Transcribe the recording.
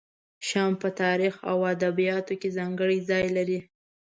شام په تاریخ او ادبیاتو کې ځانګړی ځای لري.